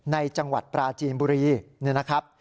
ในจังหวัดปราจีนบุรีเนี่ยนะครับ